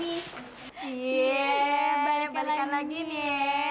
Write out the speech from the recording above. iya balik balikkan lagi nih ya